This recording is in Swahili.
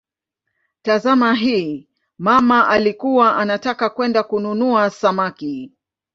Tazama hii: "mama alikuwa anataka kwenda kununua samaki".